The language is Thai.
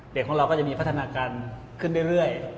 ของเราก็จะมีพัฒนาการขึ้นเรื่อย